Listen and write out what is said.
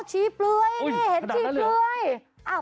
อ๋อชี้เปลื้อยเห็นชี้เปลื้อย